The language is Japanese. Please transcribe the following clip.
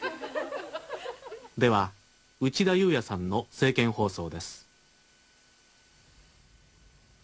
では内田裕也さんの政見放送です。